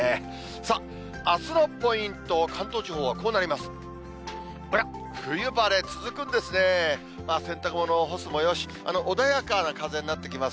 さあ、あすのポイント、関東地方はこうなります。